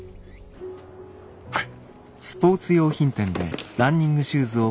はい。